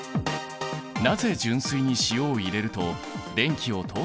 なぜ純水に塩を入れると電気を通したのか。